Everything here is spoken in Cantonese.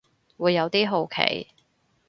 會有啲好奇